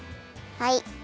はい。